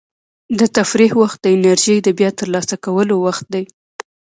د تفریح وخت د انرژۍ د بیا ترلاسه کولو وخت دی.